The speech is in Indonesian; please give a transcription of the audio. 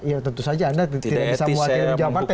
ya tentu saja anda tidak bisa memuatkan jawab partai